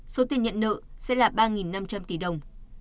số tiền nhận nợ sẽ là ba năm trăm linh tỷ đồng